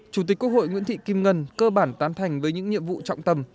chủ tịch quốc hội nguyễn thị kim ngân cơ bản tán thành với những nhiệm vụ trọng tâm